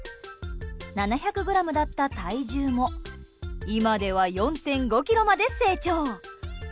７００ｇだった体重も今では４．５ｋｇまで成長。